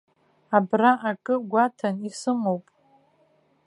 Абра акы гәаҭан исымоуп.